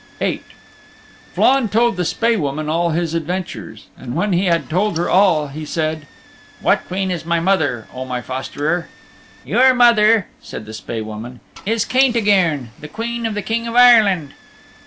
VIII Flann told the Spae Woman all his adventures. And when he had told her all he said "What Queen is my mother, O my fosterer?" "Your mother," said the Spae Woman, "is Caintigern, the Queen of the King of Ireland."